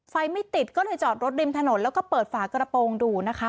ไม่ติดก็เลยจอดรถริมถนนแล้วก็เปิดฝากระโปรงดูนะคะ